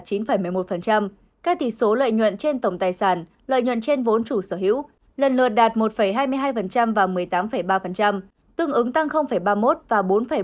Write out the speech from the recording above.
các tỷ số lợi nhuận trên tổng tài sản lợi nhuận trên vốn chủ sở hữu lần lượt đạt một hai mươi hai và một mươi tám ba tương ứng tăng ba mươi một và bốn một